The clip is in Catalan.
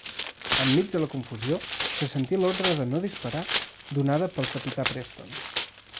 En mig de la confusió, se sentí l'ordre de no disparar donada pel capità Preston.